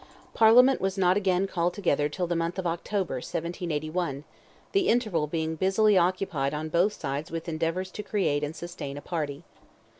Parliament was not again called together till the month of October, 1781; the interval being busily occupied on both sides with endeavours to create and sustain a party.